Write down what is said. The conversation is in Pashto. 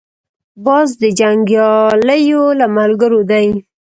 باز د جنګیالیو له ملګرو دی